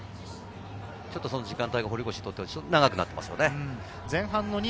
その時間帯が堀越にとっては長くなっていますね。